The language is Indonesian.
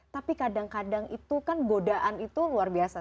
tapi kadang kadang itu kan godaan itu luar biasa